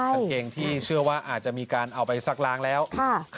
กางเกงที่เชื่อว่าอาจจะมีการเอาไปซักล้างแล้ว